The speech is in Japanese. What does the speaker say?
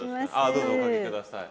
どうぞおかけ下さい。